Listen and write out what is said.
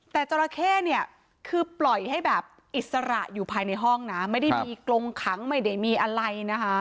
แต่จราเข้เนี่ยคือปล่อยให้แบบอิสระอยู่ภายในห้องนะไม่ได้มีกรงขังไม่ได้มีอะไรนะคะ